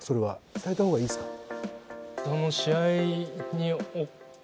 伝えた方がいいですか？